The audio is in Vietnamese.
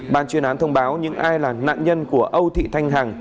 ban chuyên án thông báo những ai là nạn nhân của âu thị thanh hằng